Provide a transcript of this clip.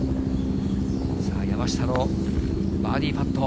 さあ、山下のバーディーパット。